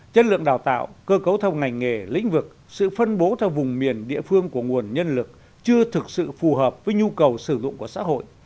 chất lượng đào tạo cơ cấu thông ngành nghề lĩnh vực sự phân bố theo vùng miền địa phương của nguồn nhân lực chưa thực sự phù hợp với nhu cầu sử dụng của xã hội